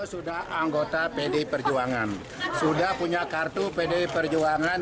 sudah anggota pdi perjuangan sudah punya kartu pdi perjuangan